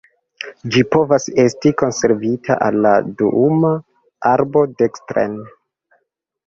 Ĝi povas esti konvertita al la duuma arbo dekstren.